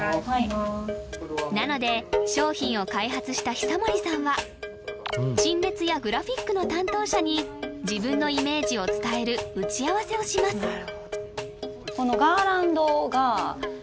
なので商品を開発した久守さんは陳列やグラフィックの担当者に自分のイメージを伝える打ち合わせをします